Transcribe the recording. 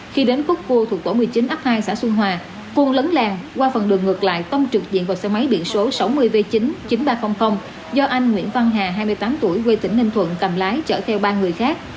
khi đến khúc cua thuộc tổ một mươi chín ấp hai xã xuân hòa phương lấn làng qua phần đường ngược lại tông trực diện vào xe máy biển số sáu mươi v chín nghìn ba trăm linh do anh nguyễn văn hà hai mươi tám tuổi quê tỉnh ninh thuận cầm lái chở theo ba người khác